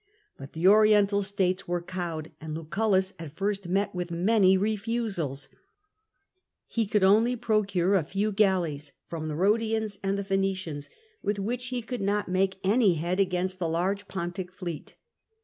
But the Oriental states were cowed, and Lucullus at first met with many refusals ; he could only procure a few galleys from the Ehodians and the Phoenicians, with which he could not make any head against the large Pontic fleet.